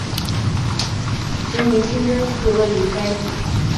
奇尼清真寺位于该地。